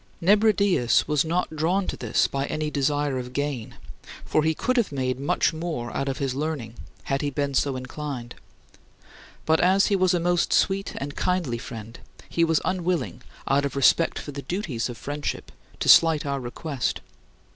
Nebridius was not drawn to this by any desire of gain for he could have made much more out of his learning had he been so inclined but as he was a most sweet and kindly friend, he was unwilling, out of respect for the duties of friendship, to slight our request.